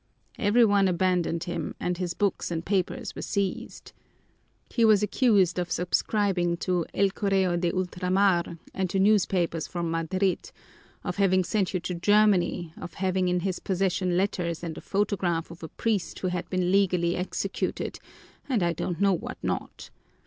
Every one abandoned him, and his books and papers were seized. He was accused of subscribing to El Correo de Ultramar, and to newspapers from Madrid, of having sent you to Germany, of having in his possession letters and a photograph of a priest who had been legally executed, and I don't know what not.